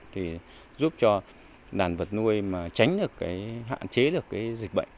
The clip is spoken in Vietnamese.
thì giúp cho đàn vật nuôi mà tránh được hạn chế được dịch bệnh